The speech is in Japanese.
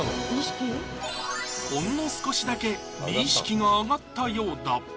ほんの少しだけ美意識が上がったようだ